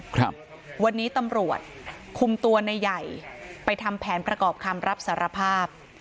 ครับวันนี้ตำรวจคุมตัวในใหญ่ไปทำแผนประกอบคำรับสารภาพ